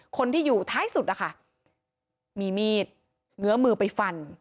คนที่อยู่ท้ายสุดนะคะมีมีดเงื้อมือไปฟัน